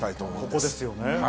ここですよね。